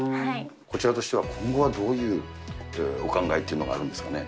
こちらとしては、今後はどういうお考えっていうのがあるんですかね。